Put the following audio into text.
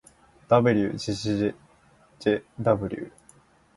ｗ じぇじぇじぇじぇ ｗ